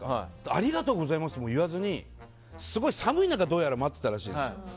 ありがとうございますも言わずにすごい、寒い中どうやら待ってたらしいんです。